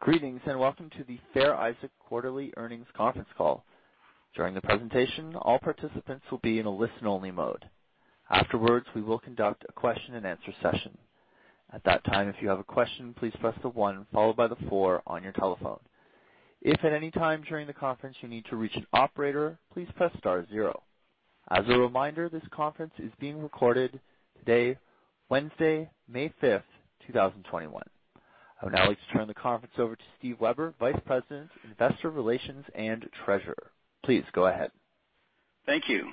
Greetings, and welcome to the Fair Isaac quarterly earnings conference call. During the presentation, all participants will be in a listen-only mode. Afterwards, we will conduct a question-and-answer session. At that time, if you have a question, please press the one followed by the four on your telephone. If at any time during the conference you need to reach an operator, please press star zero. As a reminder, this conference is being recorded today, Wednesday, May 5th, 2021. I would now like to turn the conference over to Steve Weber, Vice President, Investor Relations and Treasurer. Please go ahead. Thank you.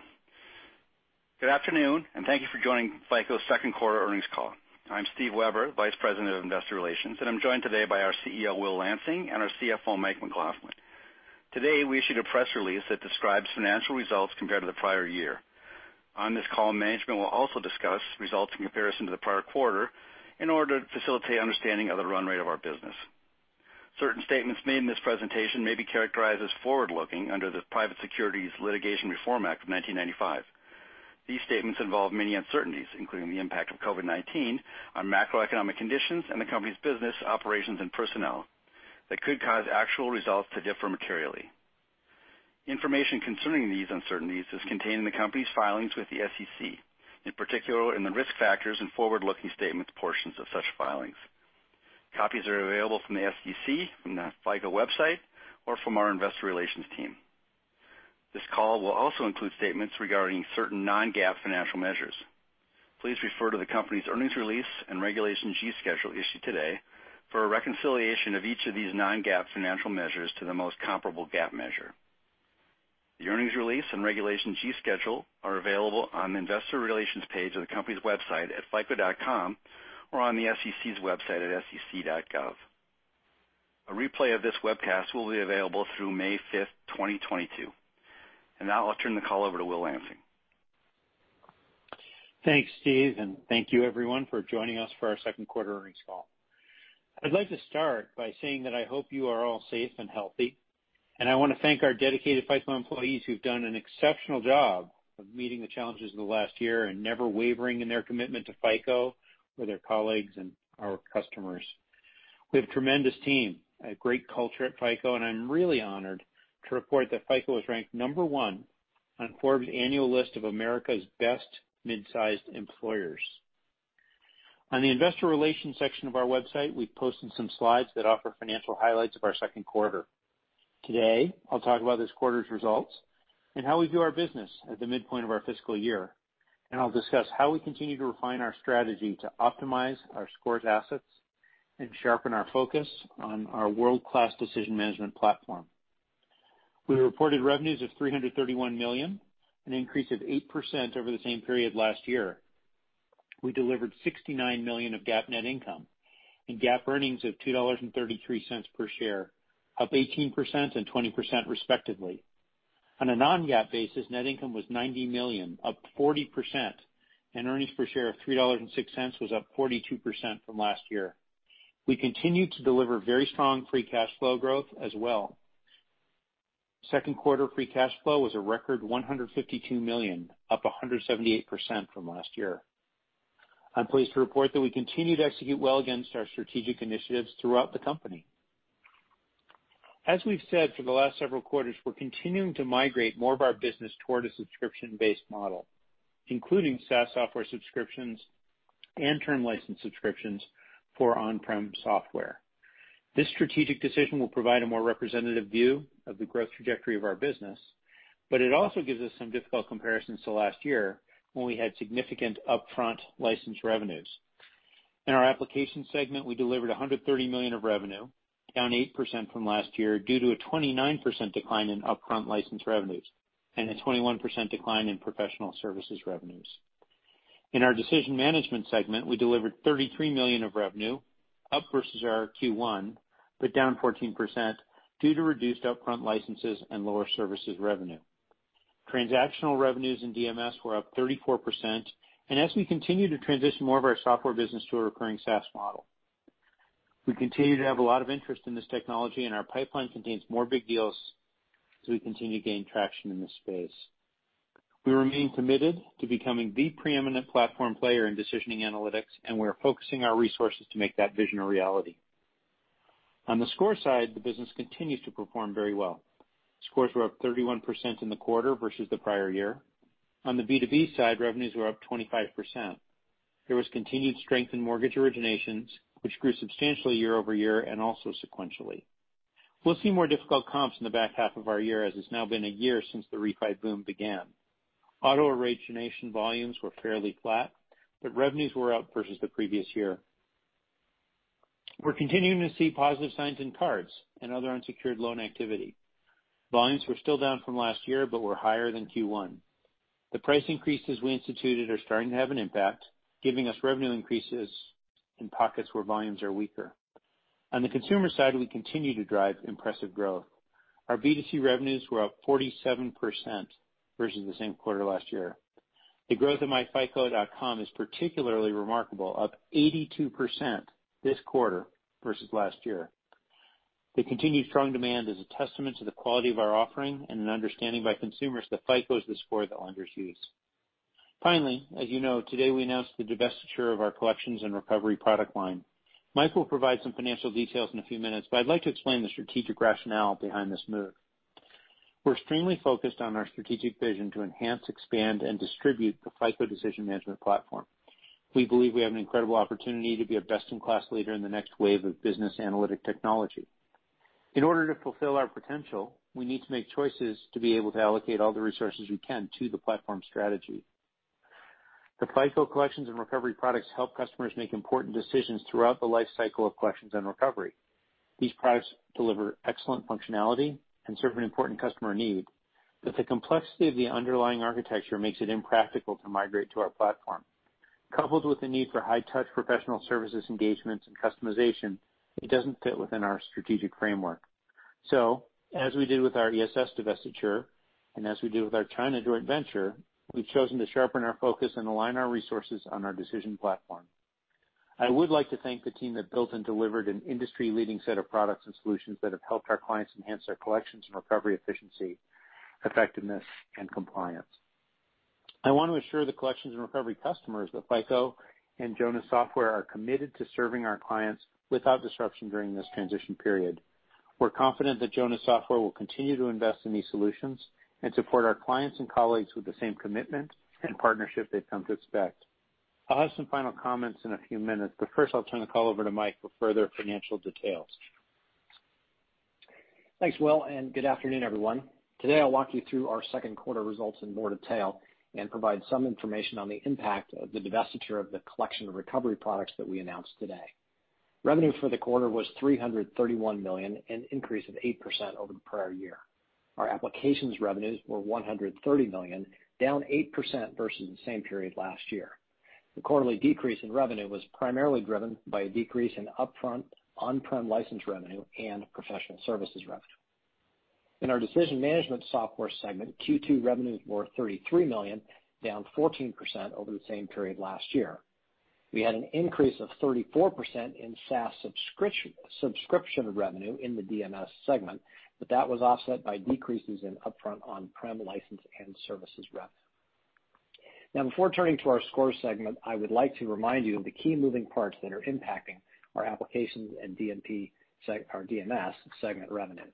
Good afternoon, and thank you for joining FICO's second quarter earnings call. I'm Steve Weber, Vice President of Investor Relations, and I'm joined today by our CEO, Will Lansing, and our CFO, Mike McLaughlin. Today, we issued a press release that describes financial results compared to the prior year. On this call, management will also discuss results in comparison to the prior quarter in order to facilitate understanding of the run rate of our business. Certain statements made in this presentation may be characterized as forward-looking under the Private Securities Litigation Reform Act of 1995. These statements involve many uncertainties, including the impact of COVID-19 on macroeconomic conditions and the company's business operations and personnel that could cause actual results to differ materially. Information concerning these uncertainties is contained in the company's filings with the SEC, in particular in the risk factors and forward-looking statements portions of such filings. Copies are available from the SEC, from the FICO website, or from our investor relations team. This call will also include statements regarding certain non-GAAP financial measures. Please refer to the company's earnings release and Regulation G schedule issued today for a reconciliation of each of these non-GAAP financial measures to the most comparable GAAP measure. The earnings release and Regulation G schedule are available on the investor relations page of the company's website at fico.com or on the SEC's website at sec.gov. A replay of this webcast will be available through May 5th, 2022. Now I'll turn the call over to Will Lansing. Thanks, Steve, and thank you everyone for joining us for our second quarter earnings call. I'd like to start by saying that I hope you are all safe and healthy, and I want to thank our dedicated FICO employees who've done an exceptional job of meeting the challenges of the last year and never wavering in their commitment to FICO or their colleagues and our customers. We have a tremendous team, a great culture at FICO, and I'm really honored to report that FICO was ranked number 1 on Forbes annual list of America's Best Mid-Sized Employers. On the investor relations section of our website, we've posted some slides that offer financial highlights of our second quarter. Today, I'll talk about this quarter's results and how we view our business at the midpoint of our fiscal year. I'll discuss how we continue to refine our strategy to optimize our scores assets and sharpen our focus on our world-class Decision Management Platform. We reported revenues of $331 million, an increase of 8% over the same period last year. We delivered $69 million of GAAP net income and GAAP earnings of $2.33 per share, up 18% and 20% respectively. On a non-GAAP basis, net income was $90 million, up 40%, and earnings per share of $3.06 was up 42% from last year. We continued to deliver very strong free cash flow growth as well. Second quarter free cash flow was a record $152 million, up 178% from last year. I'm pleased to report that we continue to execute well against our strategic initiatives throughout the company. As we've said for the last several quarters, we're continuing to migrate more of our business toward a subscription-based model, including SaaS software subscriptions and term license subscriptions for on-prem software. This strategic decision will provide a more representative view of the growth trajectory of our business, but it also gives us some difficult comparisons to last year when we had significant upfront license revenues. In our Application segment, we delivered $130 million of revenue, down 8% from last year due to a 29% decline in upfront license revenues and a 21% decline in professional services revenues. In our Decision Management segment, we delivered $33 million of revenue, up versus our Q1, but down 14% due to reduced upfront licenses and lower services revenue. Transactional revenues in DMS were up 34%, as we continue to transition more of our software business to a recurring SaaS model. We continue to have a lot of interest in this technology, and our pipeline contains more big deals as we continue to gain traction in this space. We remain committed to becoming the preeminent platform player in decisioning analytics, and we are focusing our resources to make that vision a reality. On the score side, the business continues to perform very well. Scores were up 31% in the quarter versus the prior year. On the B2B side, revenues were up 25%. There was continued strength in mortgage originations, which grew substantially year-over-year and also sequentially. We'll see more difficult comps in the back half of our year as it's now been a year since the refi boom began. Auto origination volumes were fairly flat, but revenues were up versus the previous year. We're continuing to see positive signs in cards and other unsecured loan activity. Volumes were still down from last year but were higher than Q1. The price increases we instituted are starting to have an impact, giving us revenue increases in pockets where volumes are weaker. On the consumer side, we continue to drive impressive growth. Our B2C revenues were up 47% versus the same quarter last year. The growth of myFICO.com is particularly remarkable, up 82% this quarter versus last year. The continued strong demand is a testament to the quality of our offering and an understanding by consumers that FICO is the score that lenders use. Finally, as you know, today we announced the divestiture of our collections and recovery product line. Mike will provide some financial details in a few minutes, but I'd like to explain the strategic rationale behind this move. We're extremely focused on our strategic vision to enhance, expand, and distribute the FICO Decision Management Platform. We believe we have an incredible opportunity to be a best-in-class leader in the next wave of business analytic technology. In order to fulfill our potential, we need to make choices to be able to allocate all the resources we can to the platform strategy. The FICO collections and recovery products help customers make important decisions throughout the life cycle of collections and recovery. These products deliver excellent functionality and serve an important customer need, the complexity of the underlying architecture makes it impractical to migrate to our platform. Coupled with the need for high-touch professional services engagements and customization, it doesn't fit within our strategic framework. As we did with our ESS divestiture, and as we did with our China joint venture, we've chosen to sharpen our focus and align our resources on our decision platform. I would like to thank the team that built and delivered an industry-leading set of products and solutions that have helped our clients enhance their collections and recovery efficiency, effectiveness, and compliance. I want to assure the collections and recovery customers that FICO and Jonas Software are committed to serving our clients without disruption during this transition period. We're confident that Jonas Software will continue to invest in these solutions and support our clients and colleagues with the same commitment and partnership they've come to expect. I'll have some final comments in a few minutes, but first, I'll turn the call over to Mike for further financial details. Thanks, Will, good afternoon, everyone. Today, I'll walk you through our second quarter results in more detail and provide some information on the impact of the divestiture of the collection and recovery products that we announced today. Revenue for the quarter was $331 million, an increase of 8% over the prior year. Our applications revenues were $130 million, down 8% versus the same period last year. The quarterly decrease in revenue was primarily driven by a decrease in upfront on-prem license revenue and professional services revenue. In our decision management software segment, Q2 revenues were $33 million, down 14% over the same period last year. We had an increase of 34% in SaaS subscription revenue in the DMS segment, that was offset by decreases in upfront on-prem license and services revenue. Now before turning to our Scores segment, I would like to remind you of the key moving parts that are impacting our Applications and our DMS segment revenues.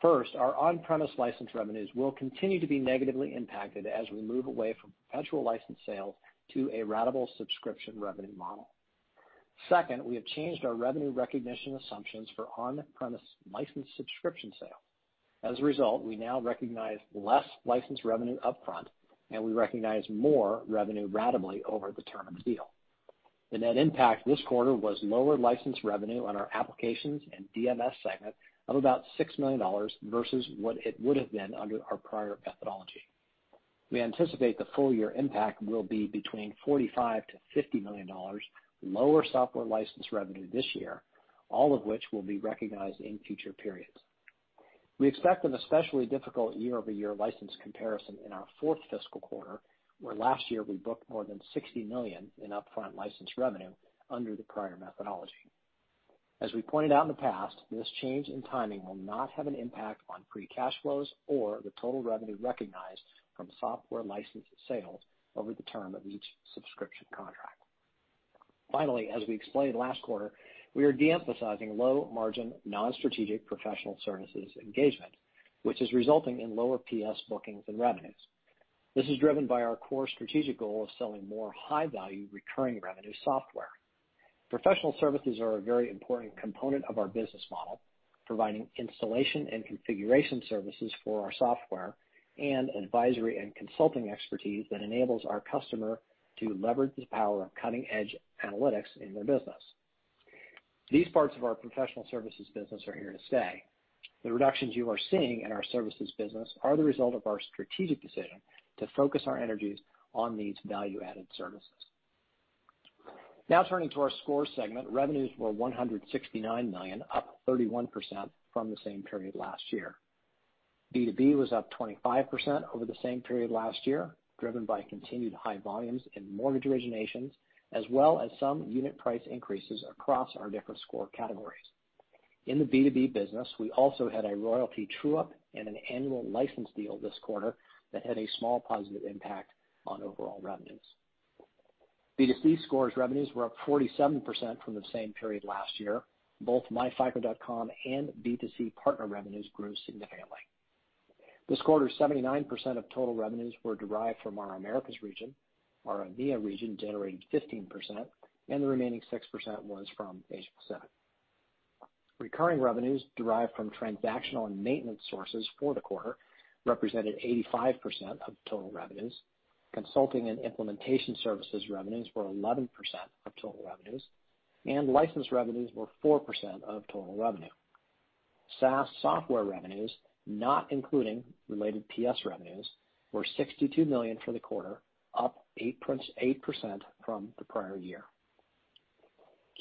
First, our on-premise license revenues will continue to be negatively impacted as we move away from perpetual license sales to a ratable subscription revenue model. Second, we have changed our revenue recognition assumptions for on-premise license subscription sale. As a result, we now recognize less licensed revenue upfront, and we recognize more revenue ratably over the term of the deal. The net impact this quarter was lower licensed revenue on our Applications and DMS segment of about $6 million versus what it would have been under our prior methodology. We anticipate the full-year impact will be between $45 million-$50 million lower software license revenue this year, all of which will be recognized in future periods. We expect an especially difficult year-over-year license comparison in our fourth fiscal quarter, where last year we booked more than $60 million in upfront licensed revenue under the prior methodology. As we pointed out in the past, this change in timing will not have an impact on free cash flows or the total revenue recognized from software license sales over the term of each subscription contract. As we explained last quarter, we are de-emphasizing low-margin, non-strategic professional services engagement, which is resulting in lower PS bookings and revenues. This is driven by our core strategic goal of selling more high-value recurring revenue software. Professional services are a very important component of our business model, providing installation and configuration services for our software and advisory and consulting expertise that enables our customer to leverage the power of cutting-edge analytics in their business. These parts of our professional services business are here to stay. The reductions you are seeing in our services business are the result of our strategic decision to focus our energies on these value-added services. Turning to our Scores segment, revenues were $169 million, up 31% from the same period last year. B2B was up 25% over the same period last year, driven by continued high volumes in mortgage originations, as well as some unit price increases across our different score categories. In the B2B business, we also had a royalty true-up and an annual license deal this quarter that had a small positive impact on overall revenues. B2C Scores revenues were up 47% from the same period last year. Both myfico.com and B2C partner revenues grew significantly. This quarter, 79% of total revenues were derived from our Americas region. Our EMEA region generated 15%, and the remaining 6% was from Asia-Pacific. Recurring revenues derived from transactional and maintenance sources for the quarter represented 85% of total revenues. Consulting and implementation services revenues were 11% of total revenues, and license revenues were 4% of total revenue. SaaS software revenues, not including related PS revenues, were $62 million for the quarter, up 8% from the prior year.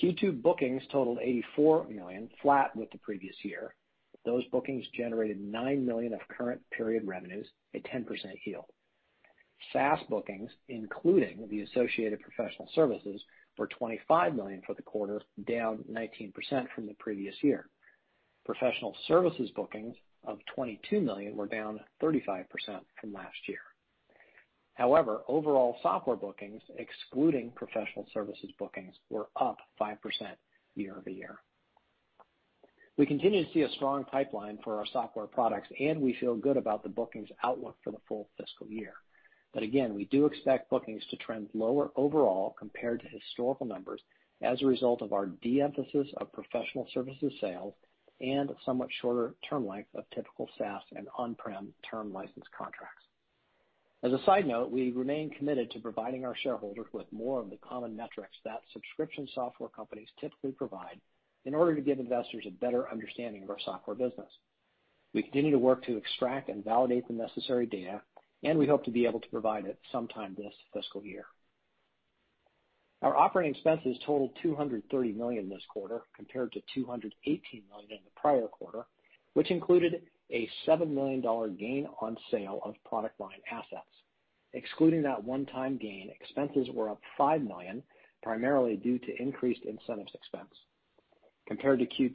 Q2 bookings totaled $84 million, flat with the previous year. Those bookings generated $9 million of current period revenues, a 10% yield. SaaS bookings, including the associated professional services, were $25 million for the quarter, down 19% from the previous year. Professional services bookings of $22 million were down 35% from last year. Overall software bookings, excluding professional services bookings, were up 5% year-over-year. We continue to see a strong pipeline for our software products, and we feel good about the bookings outlook for the full fiscal year. Again, we do expect bookings to trend lower overall compared to historical numbers as a result of our de-emphasis of professional services sales and somewhat shorter term length of typical SaaS and on-prem term license contracts. As a side note, we remain committed to providing our shareholders with more of the common metrics that subscription software companies typically provide in order to give investors a better understanding of our software business. We continue to work to extract and validate the necessary data, and we hope to be able to provide it sometime this fiscal year. Our operating expenses totaled $230 million this quarter, compared to $218 million in the prior quarter, which included a $7 million gain on sale of product line assets. Excluding that one-time gain, expenses were up $5 million, primarily due to increased incentives expense. Compared to Q2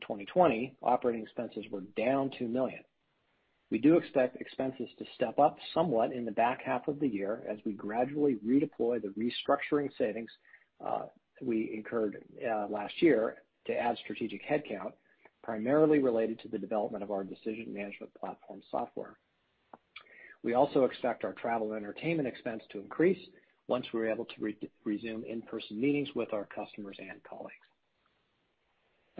2020, operating expenses were down $2 million. We do expect expenses to step up somewhat in the back half of the year as we gradually redeploy the restructuring savings we incurred last year to add strategic headcount, primarily related to the development of our Decision Management Platform software. We also expect our travel entertainment expense to increase once we're able to resume in-person meetings with our customers and colleagues.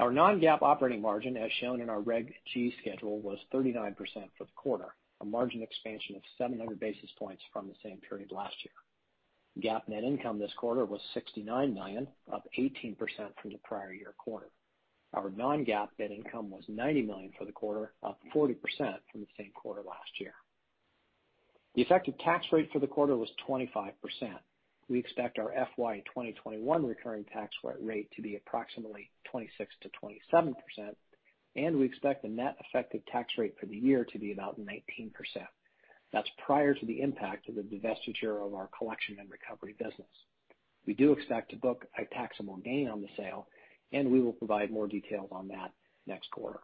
Our non-GAAP operating margin, as shown in our Reg G schedule, was 39% for the quarter, a margin expansion of 700 basis points from the same period last year. GAAP net income this quarter was $69 million, up 18% from the prior year quarter. Our non-GAAP net income was $90 million for the quarter, up 40% from the same quarter last year. The effective tax rate for the quarter was 25%. We expect our FY 2021 recurring tax rate to be approximately 26%-27%, and we expect the net effective tax rate for the year to be about 19%. That's prior to the impact of the divestiture of our Collection and Recovery business. We do expect to book a taxable gain on the sale, and we will provide more details on that next quarter.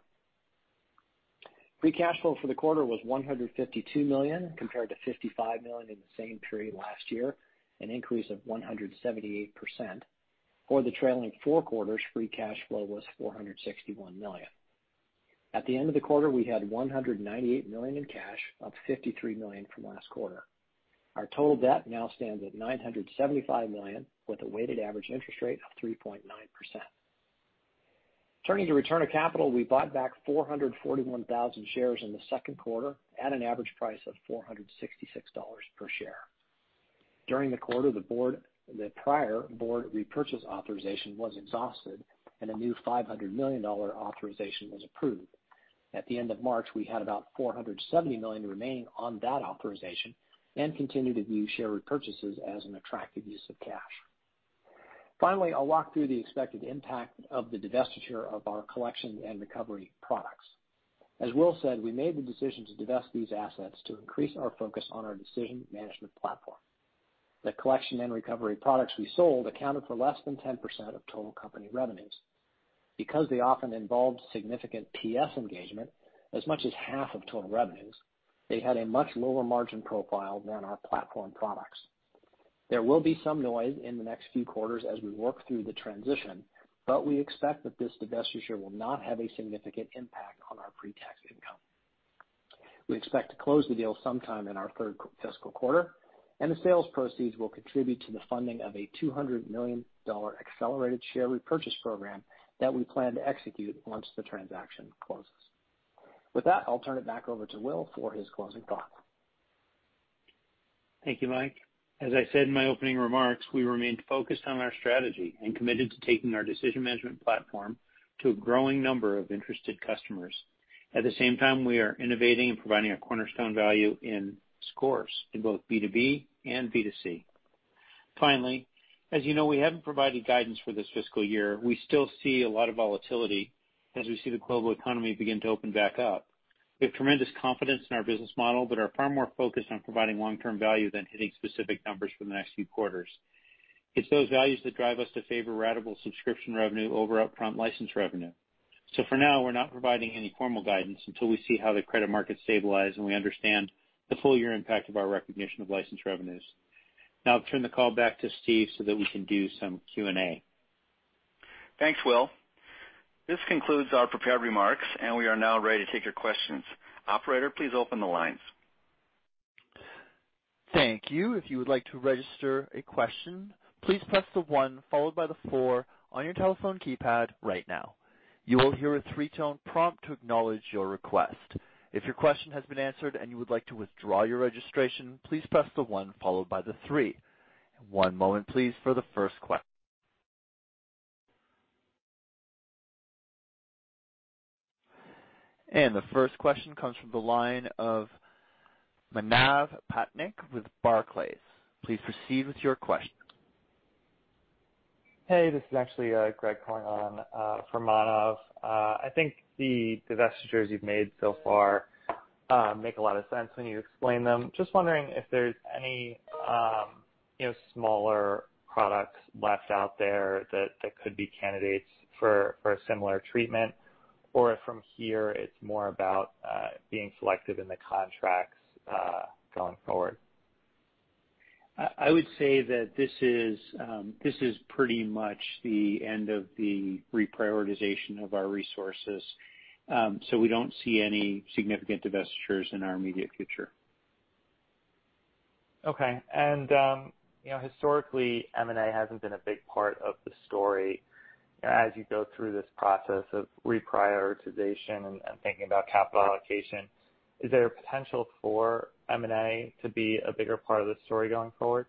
Free cash flow for the quarter was $152 million, compared to $55 million in the same period last year, an increase of 178%. For the trailing four quarters, free cash flow was $461 million. At the end of the quarter, we had $198 million in cash, up $53 million from last quarter. Our total debt now stands at $975 million, with a weighted average interest rate of 3.9%. Turning to return of capital, we bought back 441,000 shares in the second quarter at an average price of $466 per share. During the quarter, the prior board repurchase authorization was exhausted, and a new $500 million authorization was approved. At the end of March, we had about $470 million remaining on that authorization and continue to view share repurchases as an attractive use of cash. Finally, I'll walk through the expected impact of the divestiture of our collection and recovery products. As Will said, we made the decision to divest these assets to increase our focus on our Decision Management Platform. The collection and recovery products we sold accounted for less than 10% of total company revenues. Because they often involved significant PS engagement, as much as half of total revenues, they had a much lower margin profile than our platform products. There will be some noise in the next few quarters as we work through the transition, but we expect that this divestiture will not have a significant impact on our pre-tax income. We expect to close the deal sometime in our third fiscal quarter, and the sales proceeds will contribute to the funding of a $200 million accelerated share repurchase program that we plan to execute once the transaction closes. With that, I'll turn it back over to Will for his closing thoughts. Thank you, Mike. As I said in my opening remarks, we remain focused on our strategy and committed to taking our Decision Management Platform to a growing number of interested customers. At the same time, we are innovating and providing a cornerstone value in scores in both B2B and B2C. Finally, as you know, we haven't provided guidance for this fiscal year. We still see a lot of volatility as we see the global economy begin to open back up. We have tremendous confidence in our business model but are far more focused on providing long-term value than hitting specific numbers for the next few quarters. It's those values that drive us to favor ratable subscription revenue over upfront license revenue. For now, we're not providing any formal guidance until we see how the credit markets stabilize and we understand the full-year impact of our recognition of license revenues. I'll turn the call back to Steve so that we can do some Q&A. Thanks, Will. This concludes our prepared remarks, and we are now ready to take your questions. Operator, please open the lines. Thank you. If you would like to register a question, please press the one followed by the four on your telephone keypad right now. You will hear a three-tone prompt to acknowledge your request. If your question has been answered and you would like to withdraw your registration, please press the one followed by the three. One moment, please, for the first question comes from the line of Manav Patnaik with Barclays. Please proceed with your question. Hey, this is actually Greg calling on from Manav Patnaik. I think the divestitures you've made so far make a lot of sense when you explain them. Just wondering if there's any smaller products left out there that could be candidates for a similar treatment, or if from here it's more about being selective in the contracts going forward. I would say that this is pretty much the end of the reprioritization of our resources. We don't see any significant divestitures in our immediate future. Okay. Historically, M&A hasn't been a big part of the story. As you go through this process of reprioritization and thinking about capital allocation, is there a potential for M&A to be a bigger part of the story going forward?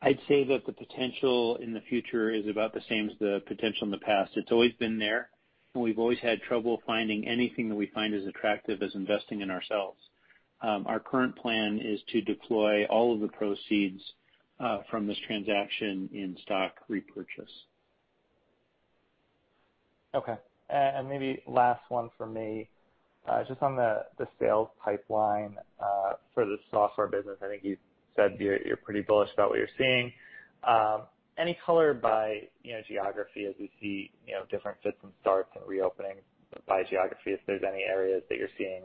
I'd say that the potential in the future is about the same as the potential in the past. It's always been there, and we've always had trouble finding anything that we find as attractive as investing in ourselves. Our current plan is to deploy all of the proceeds from this transaction in stock repurchase. Okay. Maybe last one from me. Just on the sales pipeline for the software business, I think you said you're pretty bullish about what you're seeing. Any color by geography as we see different fits and starts and reopenings by geography, if there's any areas that you're seeing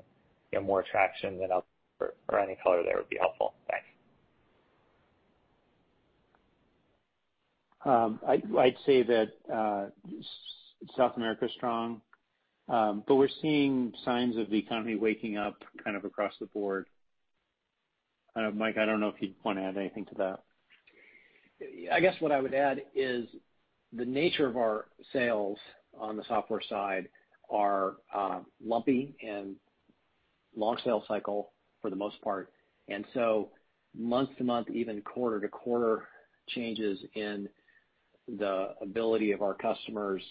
more traction than others or any color there would be helpful. Thanks. I'd say that South America is strong. We're seeing signs of the economy waking up kind of across the board. Mike, I don't know if you'd want to add anything to that. I guess what I would add is the nature of our sales on the software side are lumpy and long sales cycle for the most part. Month to month, even quarter to quarter changes in the ability of our customers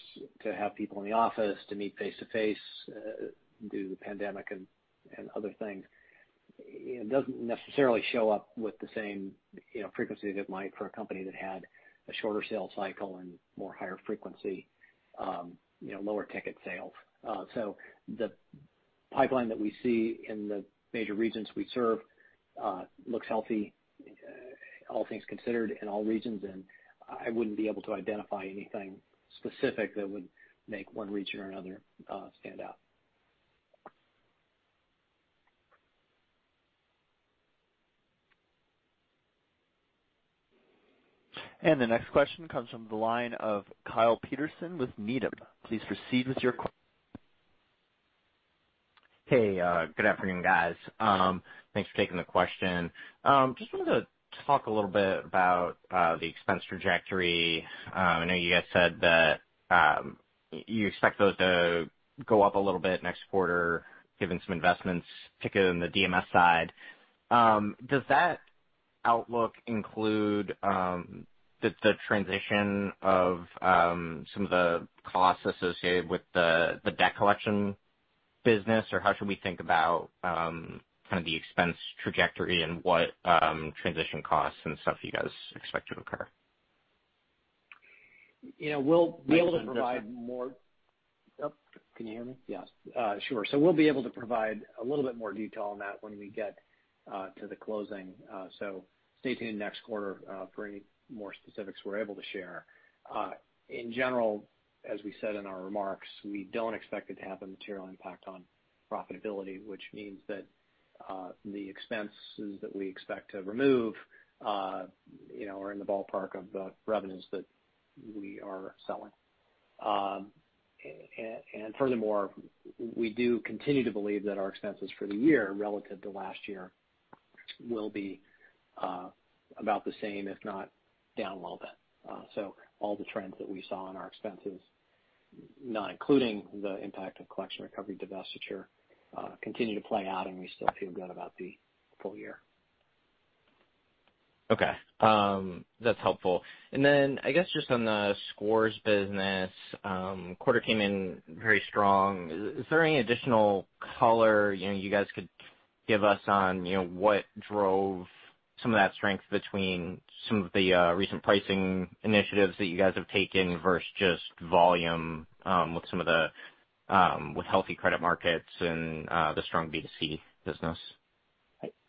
to have people in the office to meet face-to-face due to the pandemic and other things, it doesn't necessarily show up with the same frequency that might for a company that had a shorter sales cycle and more higher frequency, lower ticket sales. The pipeline that we see in the major regions we serve looks healthy all things considered in all regions, and I wouldn't be able to identify anything specific that would make one region or another stand out. The next question comes from the line of Kyle Peterson with Needham. Please proceed with your question. Hey, good afternoon, guys. Thanks for taking the question. Just wanted to talk a little bit about the expense trajectory. I know you guys said that you expect those to go up a little bit next quarter given some investments, particularly on the DMS side. Does that outlook include the transition of some of the costs associated with the debt collection business? Or how should we think about kind of the expense trajectory and what transition costs and stuff you guys expect to occur? Sure. We'll be able to provide a little bit more detail on that when we get to the closing. Stay tuned next quarter for any more specifics we're able to share. In general, as we said in our remarks, we don't expect it to have a material impact on profitability, which means that the expenses that we expect to remove are in the ballpark of the revenues that we are selling. Furthermore, we do continue to believe that our expenses for the year relative to last year will be about the same, if not down a little bit. All the trends that we saw in our expenses, not including the impact of Collection and Recovery divestiture continue to play out and we still feel good about the full-year. Okay. That's helpful. Then I guess just on the scores business, quarter came in very strong. Is there any additional color you guys could give us on what drove some of that strength between some of the recent pricing initiatives that you guys have taken versus just volume with healthy credit markets and the strong B2C business?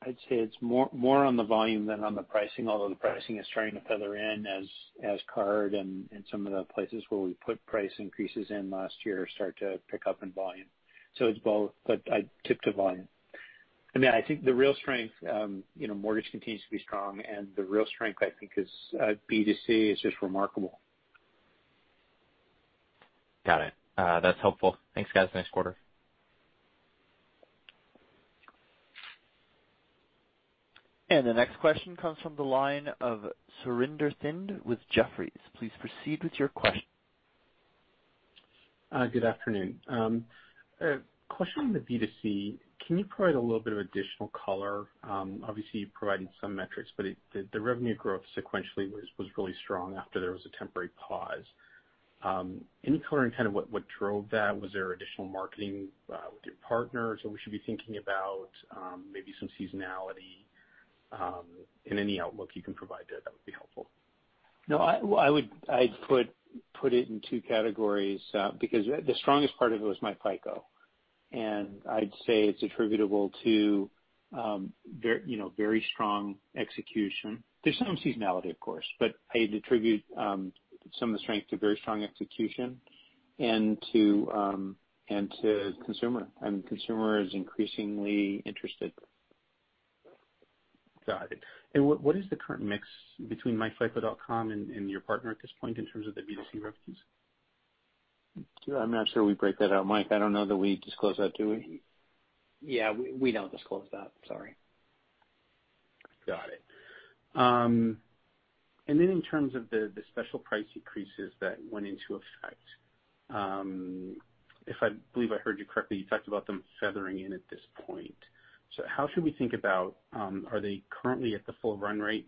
I'd say it's more on the volume than on the pricing, although the pricing is starting to feather in as card and some of the places where we put price increases in last year start to pick up in volume. It's both, but I'd tip to volume. I think the real strength, mortgage continues to be strong and the real strength I think is B2C is just remarkable. Got it. That's helpful. Thanks, guys. Nice quarter. The next question comes from the line of Surinder Thind with Jefferies. Please proceed with your question. Good afternoon. Question on the B2C, can you provide a little bit of additional color? Obviously you provided some metrics, but the revenue growth sequentially was really strong after there was a temporary pause. Any color in what drove that? Was there additional marketing with your partners that we should be thinking about? Maybe some seasonality, and any outlook you can provide there, that would be helpful. No, I'd put it in two categories because the strongest part of it was myFICO, and I'd say it's attributable to very strong execution. There's some seasonality, of course, but I'd attribute some of the strength to very strong execution and to consumer. Consumer is increasingly interested. Got it. What is the current mix between myFICO.com and your partner at this point in terms of the B2C revenues? I'm not sure we break that out. Mike, I don't know that we disclose that, do we? Yeah, we don't disclose that, sorry. Got it. Then in terms of the special price decreases that went into effect, if I believe I heard you correctly, you talked about them feathering in at this point. How should we think about, are they currently at the full run rate?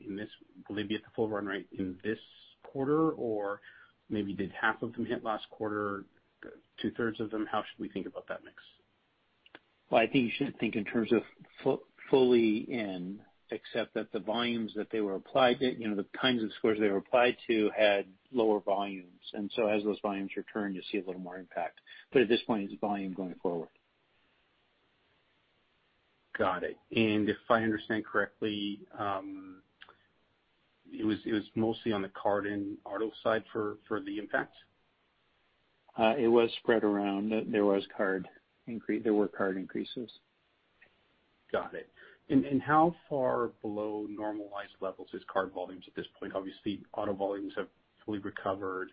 Will they be at the full run rate in this quarter, or maybe did half of them hit last quarter, two-thirds of them? How should we think about that mix? Well, I think you shouldn't think in terms of fully in, except that the volumes that they were applied to, the kinds of scores they were applied to had lower volumes. As those volumes return, you'll see a little more impact. At this point, it's volume going forward. Got it. If I understand correctly, it was mostly on the card and auto side for the impact? It was spread around. There were card increases. Got it. How far below normalized levels is card volumes at this point? Obviously, auto volumes have fully recovered.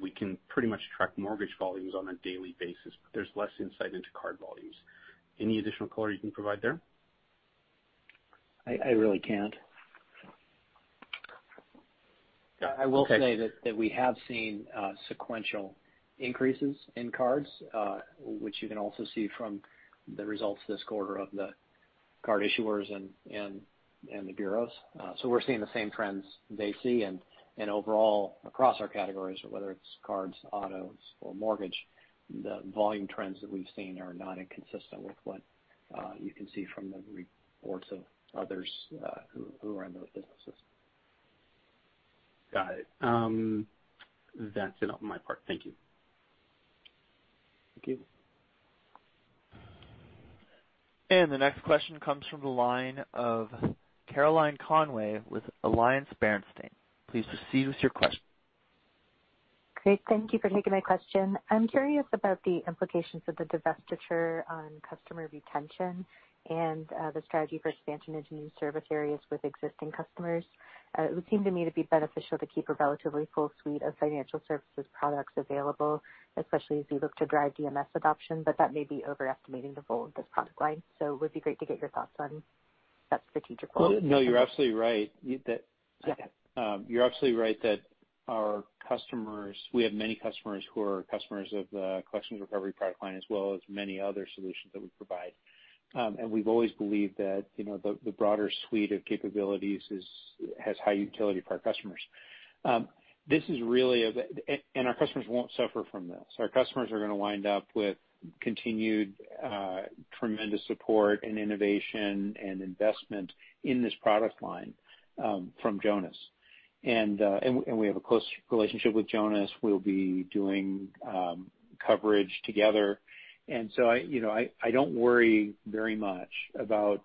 We can pretty much track mortgage volumes on a daily basis, there's less insight into card volumes. Any additional color you can provide there? I really can't. Okay. I will say that we have seen sequential increases in cards, which you can also see from the results this quarter of the card issuers and the bureaus. We're seeing the same trends they see and overall, across our categories, whether it's cards, autos, or mortgage, the volume trends that we've seen are not inconsistent with what you can see from the reports of others who are in those businesses. Got it. That's it on my part. Thank you. Thank you. The next question comes from the line of Caroline Conway with AllianceBernstein. Please proceed with your question. Great. Thank you for taking my question. I'm curious about the implications of the divestiture on customer retention and the strategy for expansion into new service areas with existing customers. It would seem to me to be beneficial to keep a relatively full suite of financial services products available, especially as you look to drive DMS adoption, but that may be overestimating the role of this product line. It would be great to get your thoughts on that strategic role. No, you're absolutely right. Yeah. You're absolutely right that our customers, we have many customers who are customers of the collections recovery product line as well as many other solutions that we provide. We've always believed that the broader suite of capabilities has high utility for our customers. Our customers won't suffer from this. Our customers are going to wind up with continued tremendous support and innovation and investment in this product line from Jonas. We have a close relationship with Jonas. We'll be doing coverage together. I don't worry very much about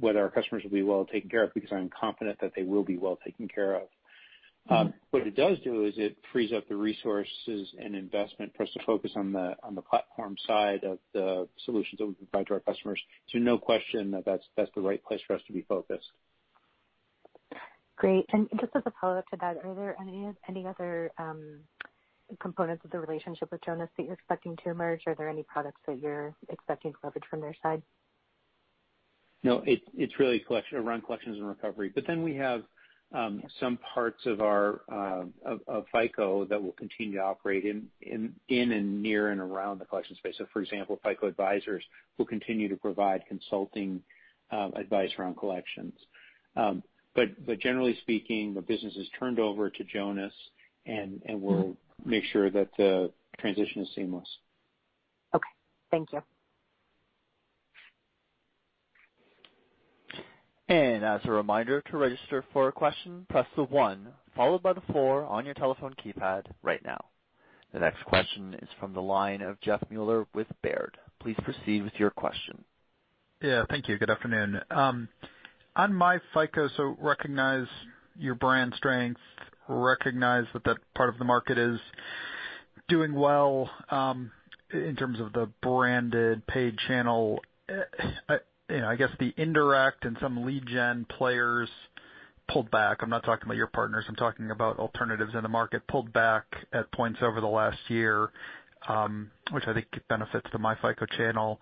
whether our customers will be well taken care of because I'm confident that they will be well taken care of. What it does do is it frees up the resources and investment for us to focus on the platform side of the solutions that we provide to our customers. No question that that's the right place for us to be focused. Great. Just as a follow-up to that, are there any other components of the relationship with Jonas that you're expecting to emerge? Are there any products that you're expecting to leverage from their side? No, it's really around collections and recovery. We have some parts of FICO that will continue to operate in and near and around the collection space. For example, FICO Advisors will continue to provide consulting advice around collections. Generally speaking, the business is turned over to Jonas, and we'll make sure that the transition is seamless. Okay. Thank you. As a reminder, to register for a question, press the one followed by the four on your telephone keypad right now. The next question is from the line of Jeffrey Meuler with Baird. Please proceed with your question. Thank you. Good afternoon. On myFICO, recognize your brand strength, recognize that part of the market is doing well in terms of the branded paid channel. I guess the indirect and some lead gen players pulled back. I'm not talking about your partners, I'm talking about alternatives in the market pulled back at points over the last year, which I think benefits the myFICO channel.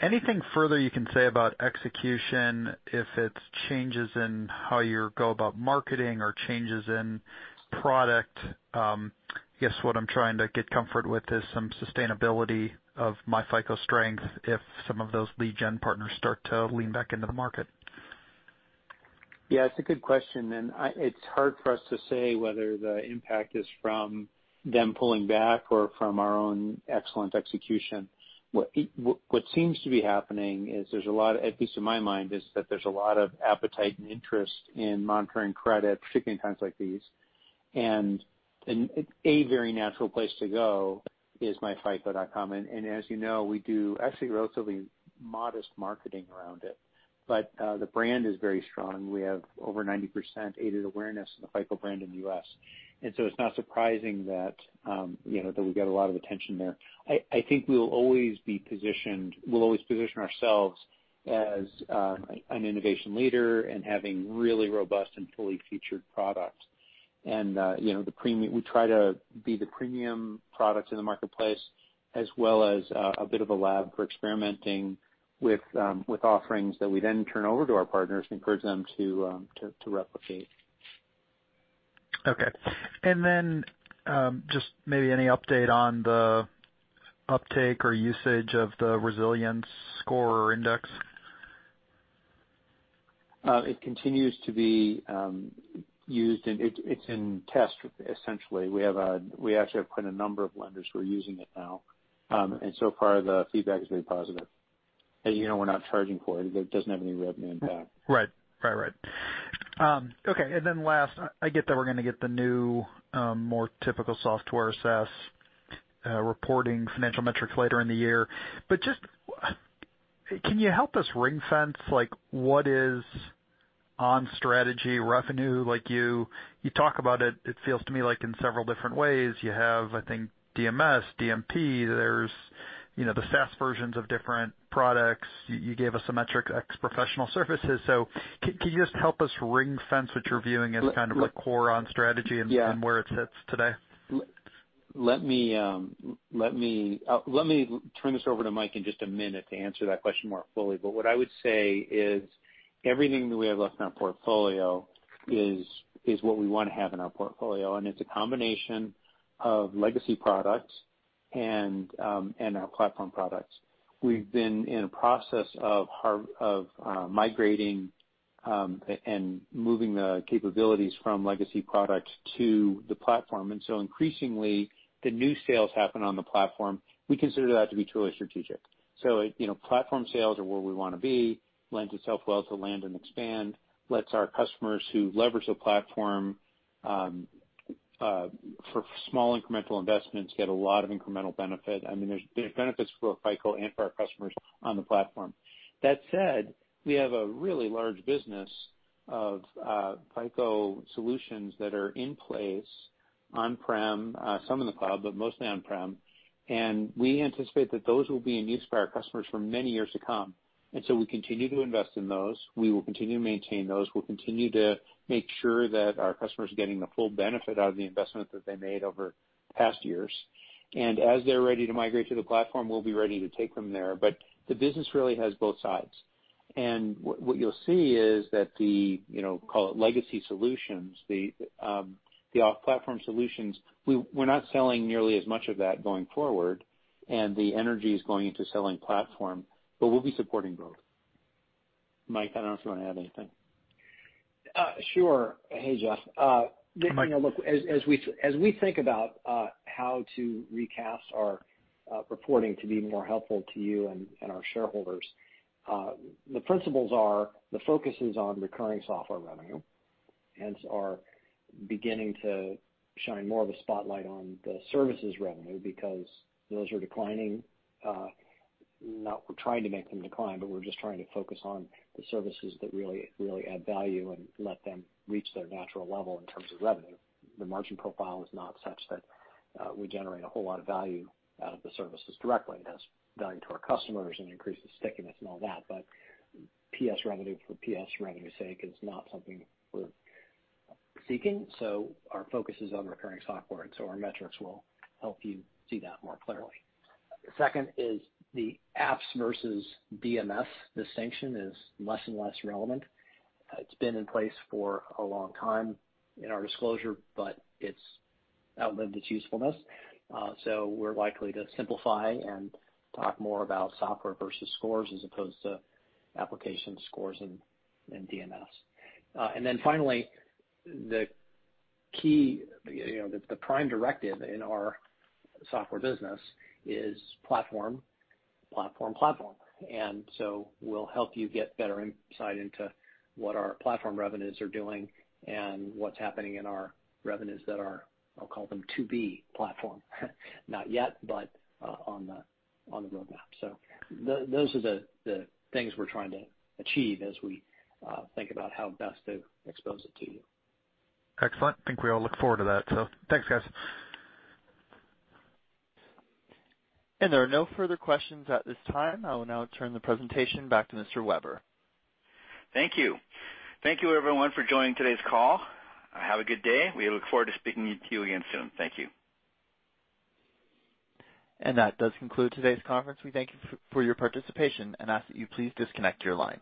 Anything further you can say about execution, if it's changes in how you go about marketing or changes in product? I guess what I'm trying to get comfort with is some sustainability of myFICO strength if some of those lead gen partners start to lean back into the market. Yeah, it's a good question, and it's hard for us to say whether the impact is from them pulling back or from our own excellent execution. What seems to be happening is, at least in my mind, is that there's a lot of appetite and interest in monitoring credit, particularly in times like these. A very natural place to go is myfico.com. As you know, we do actually relatively modest marketing around it. The brand is very strong. We have over 90% aided awareness of the FICO brand in the U.S. So it's not surprising that we get a lot of attention there. I think we'll always position ourselves as an innovation leader and having really robust and fully featured product. We try to be the premium product in the marketplace, as well as a bit of a lab for experimenting with offerings that we then turn over to our partners and encourage them to replicate. Okay. Then just maybe any update on the uptake or usage of the resilience score index? It continues to be used. It's in test, essentially. We actually have quite a number of lenders who are using it now. So far, the feedback has been positive. We're not charging for it. It doesn't have any revenue impact. Right. Okay. Then last, I get that we're going to get the new, more typical software SaaS reporting financial metrics later in the year. Just can you help us ring-fence what is on-strategy revenue? You talk about it feels to me like in several different ways. You have, I think DMS, DMP, there's the SaaS versions of different products. You gave us a metric ex professional services. Can you just help us ring-fence what you're viewing as kind of core on-strategy? Yeah Where it sits today? Let me turn this over to Mike in just a minute to answer that question more fully. What I would say is everything that we have left in our portfolio is what we want to have in our portfolio, and it's a combination of legacy products and our platform products. We've been in a process of migrating and moving the capabilities from legacy products to the platform. Increasingly, the new sales happen on the platform. We consider that to be truly strategic. Platform sales are where we want to be. Lends itself well to land and expand, lets our customers who leverage the platform for small incremental investments get a lot of incremental benefit. There's benefits for FICO and for our customers on the platform. We have a really large business of FICO solutions that are in place on-prem, some in the cloud, but mostly on-prem. We anticipate that those will be in use by our customers for many years to come. We continue to invest in those. We will continue to maintain those. We'll continue to make sure that our customers are getting the full benefit out of the investment that they made over past years. As they're ready to migrate to the platform, we'll be ready to take them there. The business really has both sides. What you'll see is that the, call it legacy solutions, the off-platform solutions, we're not selling nearly as much of that going forward, and the energy is going into selling platform, but we'll be supporting both. Mike, I don't know if you want to add anything. Sure. Hey, Jeff. Hey, Mike. Look, as we think about how to recast our reporting to be more helpful to you and our shareholders, the principles are the focus is on recurring software revenue, hence are beginning to shine more of a spotlight on the services revenue because those are declining. Not we're trying to make them decline, but we're just trying to focus on the services that really add value and let them reach their natural level in terms of revenue. The margin profile is not such that we generate a whole lot of value out of the services directly. It has value to our customers and increases stickiness and all that. PS revenue for PS revenue's sake is not something we're seeking. Our focus is on recurring software, and so our metrics will help you see that more clearly. Second is the apps versus DMS distinction is less and less relevant. It's been in place for a long time in our disclosure, but it's outlived its usefulness. We're likely to simplify and talk more about software versus scores as opposed to application scores and DMS. Then finally, the prime directive in our software business is platform. So we'll help you get better insight into what our platform revenues are doing and what's happening in our revenues that are, I'll call them, to-be platform. Not yet, but on the roadmap. Those are the things we're trying to achieve as we think about how best to expose it to you. Excellent. I think we all look forward to that. Thanks, guys. There are no further questions at this time. I will now turn the presentation back to Mr. Weber. Thank you. Thank you everyone for joining today's call. Have a good day. We look forward to speaking to you again soon. Thank you. That does conclude today's conference. We thank you for your participation and ask that you please disconnect your line.